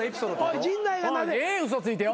ええ嘘ついてよ。